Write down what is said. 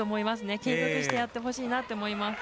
継続してやってほしいなと思います。